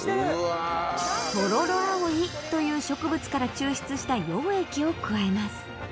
トロロアオイという植物から抽出した溶液を加えます